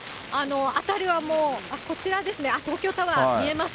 辺りはもう、こちらですね、東京タワー、見えます。